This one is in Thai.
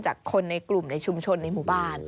จากคนในกลุ่มในชุมชนในหมู่บ้าน